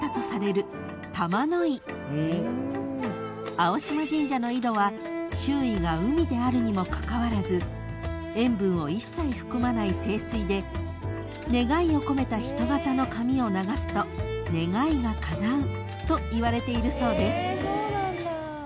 ［青島神社の井戸は周囲が海であるにもかかわらず塩分を一切含まない清水で願いを込めた人形の紙を流すと願いがかなうといわれているそうです］